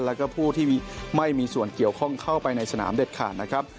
แล้วก็ผู้ที่ไม่มีส่วนเกี่ยวข้องเข้าไปในสนามเด็ดขาดนะครับ